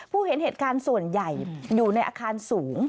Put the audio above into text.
เห็นเหตุการณ์ส่วนใหญ่อยู่ในอาคารสูง